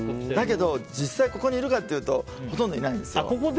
だけど実際ここにいるかというとほとんどいないんですよ。